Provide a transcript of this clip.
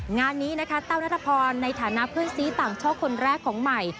งานนี้นะคะแต้วนัทพรในฐานะเพื่อนซีต่างช่อคนแรกของใหม่